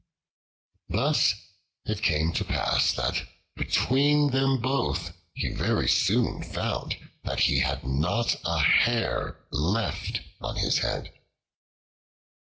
Thus it came to pass that between them both he very soon found that he had not a hair left on his head.